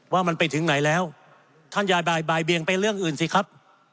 ว่ามันไปถึงไหนแล้วท่านยายบ่ายเบียงไปเรื่องอื่นสิครับ